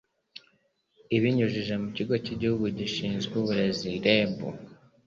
ibinyujije mu Kigo cy'Igihugu Gishinzwe Uburezi REB